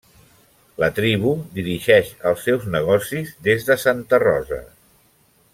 La tribu dirigeix els seus negocis des de Santa Rosa.